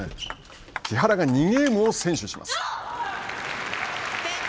木原が２ゲームを先取します。